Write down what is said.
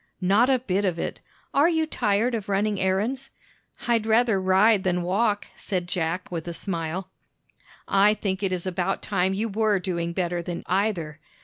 "Not a bit of it. Are you tired of running errands?" "I'd rather ride than walk," said Jack with a smile. "I think it is about time you were doing better than either.